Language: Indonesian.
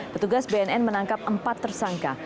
petugas bnn menangkap empat tersangka